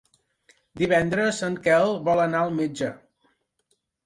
Divendres en Quel vol anar al metge.